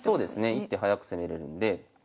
１手早く攻めれるんで。